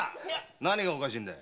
何がおかしいんだ。